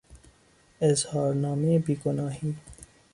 اظهارنامهی بیگناهی